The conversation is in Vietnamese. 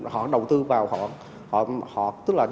họ đầu tư vào họ